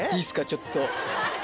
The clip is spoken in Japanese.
ちょっと。